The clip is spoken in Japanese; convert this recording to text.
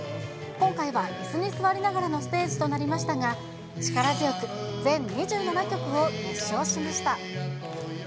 今回はいすに座りながらのステージとなりましたが、力強く、全２７曲を熱唱しました。